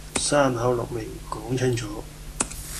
三口六面講清楚